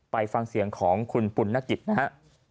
ไปฟังเสียงของคุณปุ่นนกิจนะฮะ